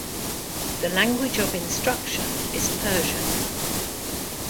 The language of instruction is Persian.